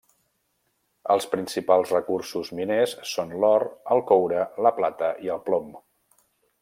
Els principals recursos miners són l'or, el coure, la plata i el plom.